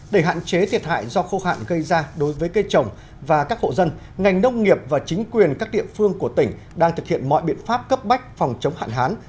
để hạn chế thiệt hại do khô hạn gây ra đối với cây trồng và các hộ dân ngành nông nghiệp và chính quyền các địa phương của tỉnh đang thực hiện mọi biện pháp cấp bách phòng chống hạn hán